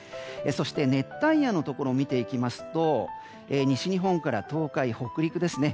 そして、熱帯夜のところを見ていきますと西日本から東海、北陸ですね